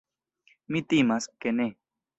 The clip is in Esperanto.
Mi timas, ke ne.